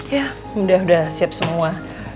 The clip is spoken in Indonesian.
ya udah siap semua